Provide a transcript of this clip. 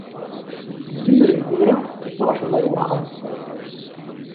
Tzemrem tura ad tṛuḥem ar wexxam.